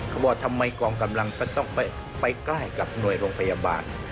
เขาบอกทำไมกองกำลังก็ต้องไปใกล้กับหน่วยโรงพยาบาล